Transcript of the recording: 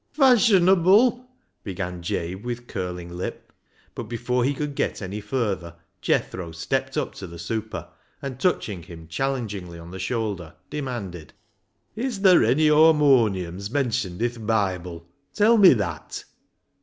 " Fashionable !" began Jabe, with curling lip ; but before he could get any further, Jethro stepped up to the super, and touching him challengingly on the shoulder, demanded —" Is ther' ony harmonions mentioned i' th' Bible? Tell me that."